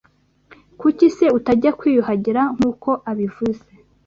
Kuki se utajya kwiyuhagira nk’uko abivuze